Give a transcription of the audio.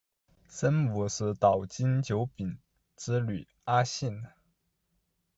生母是岛津久丙之女阿幸。